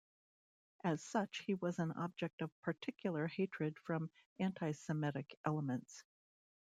As such he was an object of particular hatred from antisemitic elements.